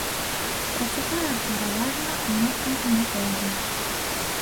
Працякае пераважна ў напрамку на поўдзень.